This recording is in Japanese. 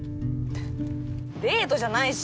デートじゃないし。